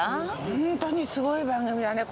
ホントにすごい番組だね